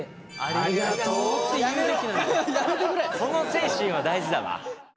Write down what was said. その精神は大事だわ。